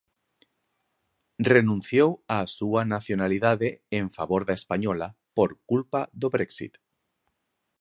Renunciou á súa nacionalidade en favor da española por culpa do Brexit.